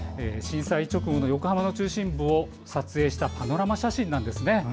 震災直後の横浜の中心部を撮影したパノラマ写真なんですね。